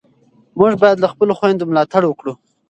موږ باید له خپلو خویندو ملاتړ وکړو.